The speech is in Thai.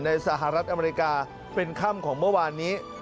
สหรัฐอเมริกาเป็นค่ำของเมื่อวานนี้